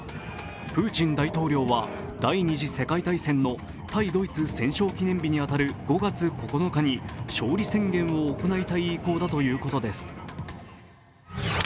プーチン大統領は、第二次世界大戦の対ドイツ戦勝記念日に当たる５月９日に勝利宣言を行いたい意向だということです。